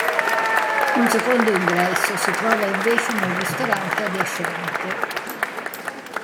Un secondo ingresso si trova invece in un ristorante adiacente.